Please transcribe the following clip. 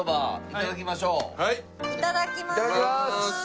いただきます。